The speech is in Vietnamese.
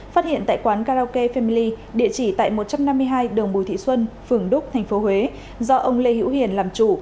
phát hiện tại quán karaoke family địa chỉ tại một trăm năm mươi hai đường bùi thị xuân phường đức tp huế do ông lê hữu hiền làm chủ